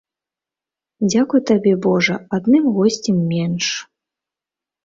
Дзякуй табе божа, адным госцем менш.